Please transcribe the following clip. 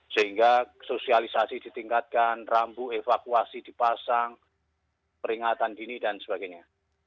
sehingga sosialisasi ditingkatkan rambu evakuasi dipasang peringatan dini dan sebagainya